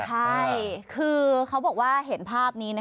ใช่คือเขาบอกว่าเห็นภาพนี้